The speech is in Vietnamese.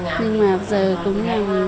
nhưng mà bây giờ cũng